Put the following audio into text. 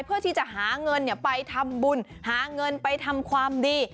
เพื่อที่จะหาเงินไปทำบุญหาเงินไปทำความดี